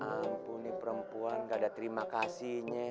ya ampun nih perempuan gak ada terima kasihnya